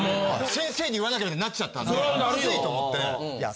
先生に言わなきゃってなっちゃったんでまずいと思っていや